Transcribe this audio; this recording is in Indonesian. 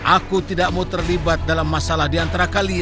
aku tidak mau terlibat dalam masalah di antara kalian